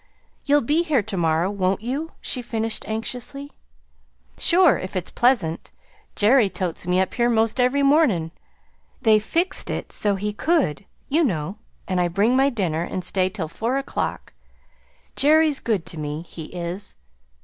You'll be here to morrow, won't you?" she finished anxiously. "Sure, if it's pleasant. Jerry totes me up here 'most every mornin'. They fixed it so he could, you know; and I bring my dinner and stay till four o'clock. Jerry's good to me he is!"